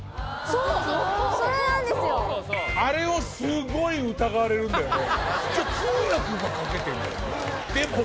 あれをすごい疑われるんだよね